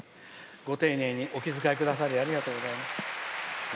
ご丁寧にお気遣いいただきありがとうございます。